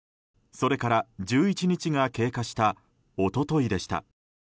それから１１日が経過した一昨日でした。